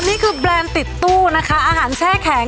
นี่คือแบรนด์ติดตู้นะคะอาหารแช่แข็ง